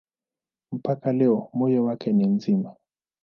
Mpaka leo moyo wake ni mzima.